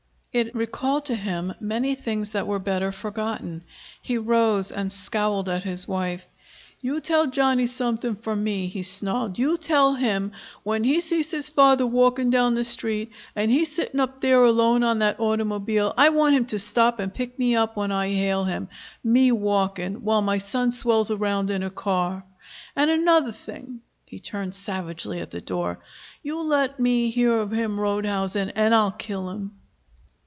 It recalled to him many things that were better forgotten. He rose and scowled at his wife. "You tell Johnny something for me," he snarled. "You tell him when he sees his father walking down street, and he sittin' up there alone on that automobile, I want him to stop and pick me up when I hail him. Me walking, while my son swells around in a car! And another thing." He turned savagely at the door. "You let me hear of him road housin', and I'll kill him!"